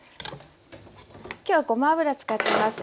今日はごま油使ってます。